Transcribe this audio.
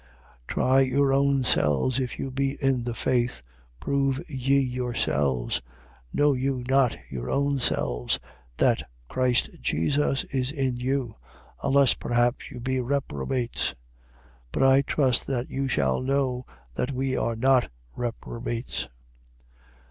13:5. Try your own selves if you be in the faith: prove ye yourselves. Know you not your own selves, that Christ Jesus is in you, unless perhaps you be reprobates? 13:6. But I trust that you shall know that we are not reprobates.